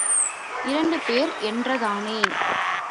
இரண்டு பேர் என்றுதானே?